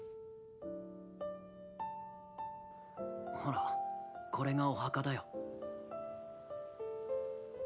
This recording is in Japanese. ほらこれがお墓だよ。